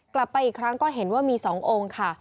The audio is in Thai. กลับไปอีกครั้งก็เห็นว่ามี๒องค์ค่ะ